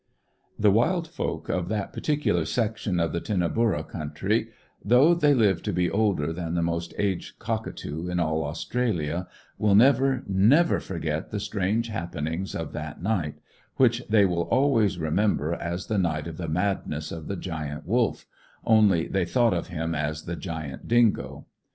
The wild folk of that particular section of the Tinnaburra country, though they live to be older than the most aged cockatoo in all Australia, will never, never forget the strange happenings of that night, which they will always remember as the night of the madness of the Giant Wolf only they thought of him as the Giant Dingo.